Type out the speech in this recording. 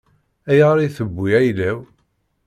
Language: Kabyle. Ayɣer i tewwi ayla-w?